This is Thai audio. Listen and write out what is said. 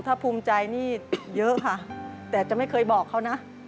ถ้าภูมิใจนี่เยอะค่ะแต่จะไม่เคยบอกเขานะ